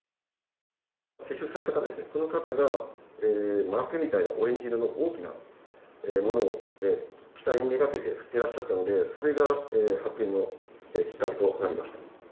接触された方、この方が、マークみたいな、オレンジ色の大きなものを、機体目がけて振っていらっしゃったので、それが発見のきっかけとなりました。